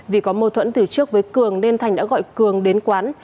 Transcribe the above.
vì có mâu thuẫn từ trước với cường nên thành đã gọi cường đến quán